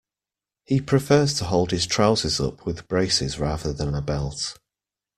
He prefers to hold his trousers up with braces rather than a belt